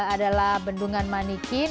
adalah bendungan manikin